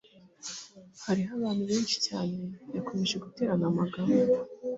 hariho abantu benshi cyane, yakomeje guterana amagambo